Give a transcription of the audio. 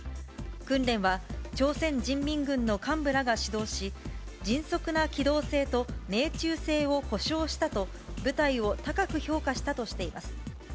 訓練は朝鮮人民軍の幹部らが主導し、迅速な機動性と命中性を保障したと、部隊を高く評価したとしています。